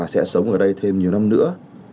sẽ sống ở đây thêm nhiều năm nữa